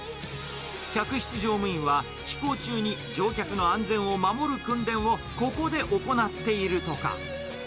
客室乗務員は、飛行中に乗客の安全を守る訓練を、ここで行っているとか。